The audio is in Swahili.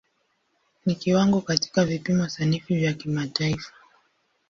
Ni kiwango katika vipimo sanifu vya kimataifa.